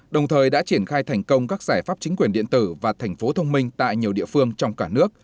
đồng thời đã triển khai thành công các giải pháp chính quyền điện tử và thành phố thông minh tại nhiều địa phương trong cả nước